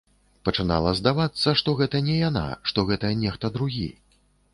Пачынала здавацца, што гэта не яна, што гэта нехта другі.